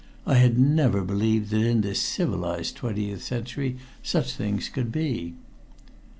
I had never believed that in this civilized twentieth century such things could be.